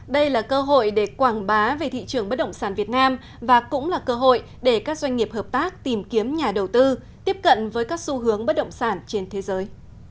đây là cơ hội để quảng bá về thị trường bất động sản việt nam và cũng là cơ hội để các doanh nghiệp hợp tác tìm kiếm nhà đầu tư tiếp cận với các xu hướng bất động sản trên thế giới